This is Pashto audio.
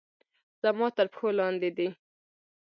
زما تر پښو لاندې دي